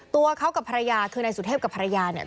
ตัวเขากับภรรยาคือนายสุเทพกับภรรยาเนี่ย